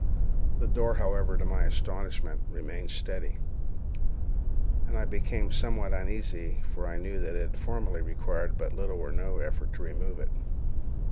The door, however, to my astonishment, remained steady, and I became somewhat uneasy, for I knew that it had formerly required but little or no effort to remove it.